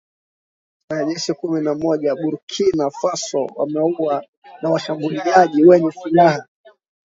Wanajeshi kumi na mmoja wa Burkina Faso wameuawa na washambuliaji wenye silaha